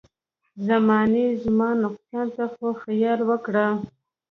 زمانې زما نقصان ته خو خیال وکړه.